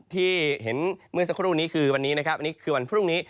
ที่เห็นเมื่อสักครู่นี้คือวันนี้วันพรุ่งนี้